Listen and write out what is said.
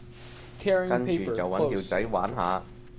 跟住就搵條仔玩下